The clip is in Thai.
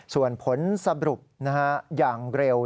ส่วนผลสรุปอย่างเร็ว